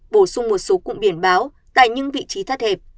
bổ sung một số cụm biển báo tại những vị trí thắt hẹp